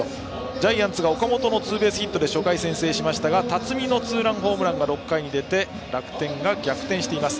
ジャイアンツが岡本のツーベースヒットで初回に先制しましたが辰己のツーランホームランが６回に出て楽天が逆転しています。